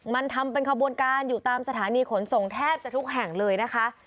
มันทำเป็นขบวนการอยู่ตามสถานีขนส่งแทบจะทุกแห่งเลยนะคะ